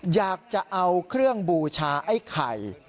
อยากจะเอาเครื่องบูชาไอ้ไข่